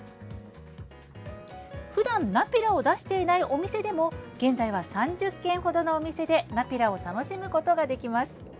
ふだん、ナピラを出していないお店でも現在は３０軒ほどのお店でナピラを楽しむことができます。